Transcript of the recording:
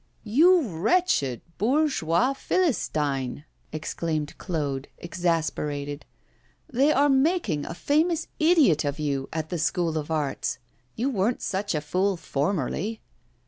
'You wretched bourgeois philistine!' exclaimed Claude, exasperated. 'They are making a famous idiot of you at the School of Arts. You weren't such a fool formerly.